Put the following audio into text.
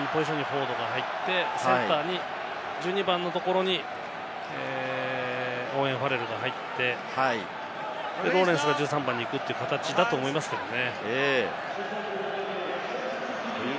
１０番のポジションにフォードが入って、センターに１２番のところにオーウェン・ファレルが入って、ローレンスがセンターに行くということですね。